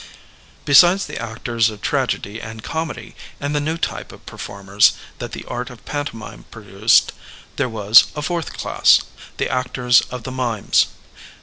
Besides the actors of tragedy and comedy and the new type of performers that the art of panto mime produced, there was a fourth class, the actors of the Mimes.